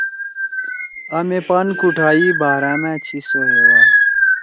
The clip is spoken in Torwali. آ مے پان کُوٹھائی بہرامأ چھی سہیوا